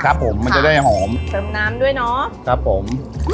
ครับผมมันจะได้หอมเติมน้ำด้วยเนาะครับผม